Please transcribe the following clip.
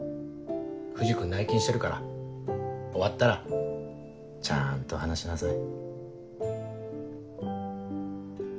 藤君内勤してるから終わったらちゃんと話しなさい。